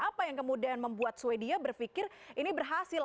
apa yang kemudian membuat sweden berpikir ini berhasil